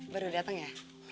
baru dateng ya